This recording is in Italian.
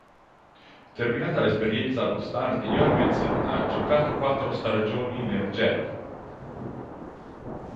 Terminata l'esperienza allo Start, Jørgensen ha giocato quattro stagioni nel Jerv.